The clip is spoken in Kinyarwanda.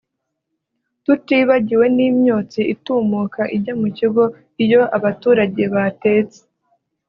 tutibagiwe n’imyotsi itumuka ijya mu kigo iyo abaturage batetse